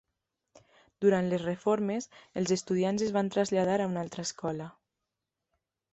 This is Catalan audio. Durant les reformes els estudiants es van traslladar a una altra escola.